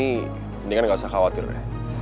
mendingan ga usah khawatir ya